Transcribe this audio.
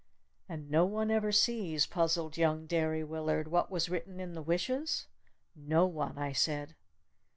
"And no one ever sees," puzzled young Derry Willard, "what was written in the wishes?" "No one," I said.